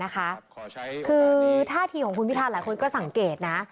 คือท่าทีของคุณพิทาหลายคนก็สังเกตนะ